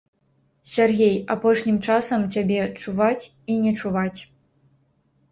Сяргей, апошнім часам цябе чуваць і не чуваць.